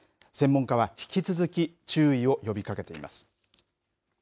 専門家は引き続き注意を呼びかけています。